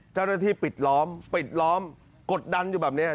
เจ้าหน้าที่ปิดล้อมปิดล้อมกดดันอยู่แบบนี้